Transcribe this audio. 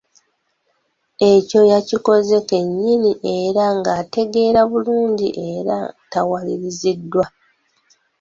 Ekyo yakikoze kennyini era ng'ategeera bulungi era tawaliriziddwa.